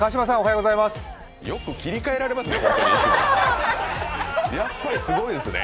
よく切り替えられますね